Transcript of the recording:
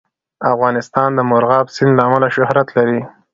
افغانستان د مورغاب سیند له امله شهرت لري.